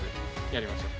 やりましょう。